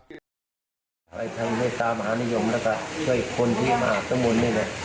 เขาจะทำบุญเลยแต่ศาสตราของครัว